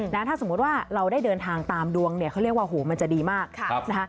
ถ้าสมมุติว่าเราได้เดินทางตามดวงเนี่ยเขาเรียกว่าโหมันจะดีมากนะคะ